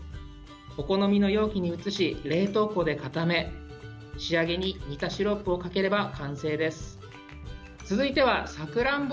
お好みの容器に移し冷凍庫で固め仕上げに煮たシロップをかければ完成です。